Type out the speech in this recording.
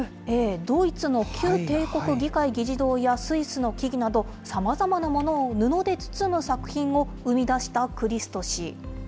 ドイツの旧帝国議会議事堂やスイスの木々など、さまざまなものを布で包む作品を生み出したクリスト氏。